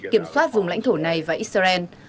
kiểm soát vùng lãnh thổ này và israel